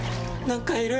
何かいる！